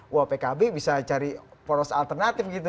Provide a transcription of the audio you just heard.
wah pkb bisa cari poros alternatif gitu